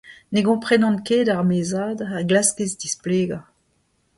Ne gomprenan ket ar meizad a glaskez displegañ.